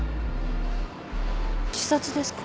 自殺ですか？